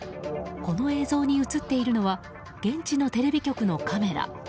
この映像に映っているのは現地のテレビ局のカメラ。